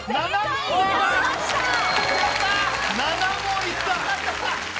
７問いった。